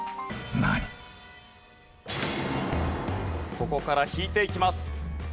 ここから引いていきます。